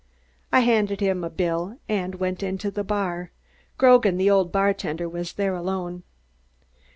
I handed him a bill and went into the bar. Grogan, the old bartender was there alone.